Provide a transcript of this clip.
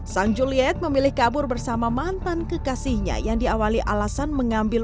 sang juliet memilih kabur bersama mantan kekasihnya yang diawali alasan mengambil